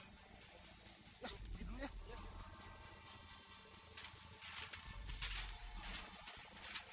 nah ini dulunya